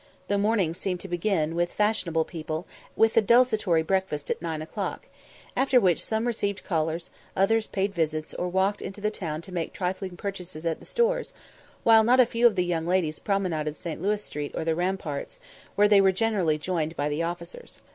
The morning seemed to begin, with fashionable people, with a desultory breakfast at nine o'clock, after which some received callers, others paid visits, or walked into the town to make trifling purchases at the stores; while not a few of the young ladies promenaded St. Louis Street or the ramparts, where they were generally joined by the officers.